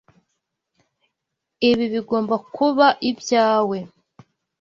Ibi bigomba kuba ibyawe.